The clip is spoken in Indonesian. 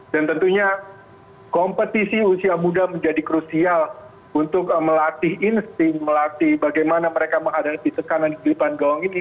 dan tentunya kompetisi usia muda menjadi krusial untuk melatih insting melatih bagaimana mereka menghadapi tekanan di depan gawang ini